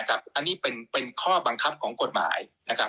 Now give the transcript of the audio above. อันนี้เป็นข้อบังคับของกฎหมาย